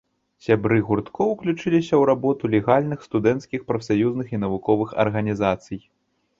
Сябры гурткоў уключыліся ў работу легальных студэнцкіх прафсаюзных і навуковых арганізацый.